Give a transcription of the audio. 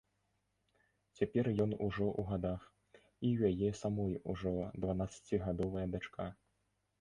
Цяпер ён ўжо ў гадах, і ў яе самой ужо дванаццацігадовая дачка.